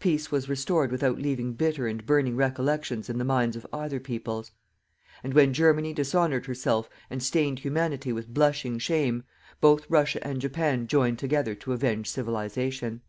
Peace was restored without leaving bitter and burning recollections in the minds of either peoples. And when Germany dishonoured herself and stained Humanity with blushing shame, both Russia and Japan joined together to avenge Civilization.